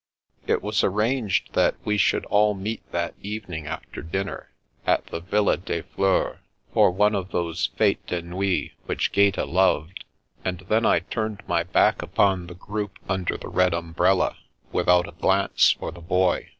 It was arranged that we should all meet that even The Great Paolo 241 ing, after dinner, at the Villa des Fleurs, for one of those fetes de nuit which Gaeta loved; and then I turned my back upon the group under the red um brella, without a glance for the Boy.